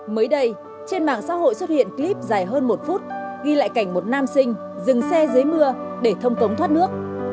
mới đây trên mạng xã hội xuất hiện clip dài hơn một phút ghi lại cảnh một nam sinh dừng xe dưới mưa để thông cống thoát nước